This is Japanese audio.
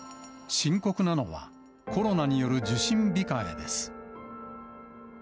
深刻なのはコロナによる受診控えです。